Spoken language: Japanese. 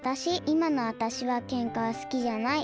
いまのわたしはケンカすきじゃない。